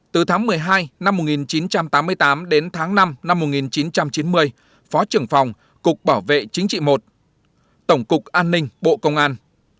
từ tháng một mươi hai năm một nghìn chín trăm tám mươi tám đến tháng năm năm một nghìn chín trăm chín mươi phó trưởng phòng cục bảo vệ chính trị một tổng cục an ninh bộ công an